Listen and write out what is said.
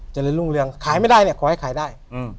เจริญรุ่งเรืองขายไม่ได้เนี่ยขอให้ขายได้